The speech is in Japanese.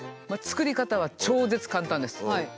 作り方は超絶簡単です。